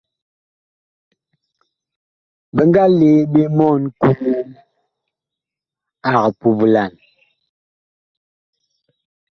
Bi nga lee ɓe mɔɔn Kuu ag puplan.